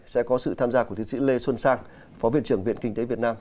sẽ có sự tham gia của thiên sĩ lê xuân sang phó viện trưởng viện kinh tế việt nam